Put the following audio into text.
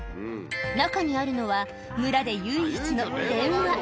中にあるのは、村で唯一の電話。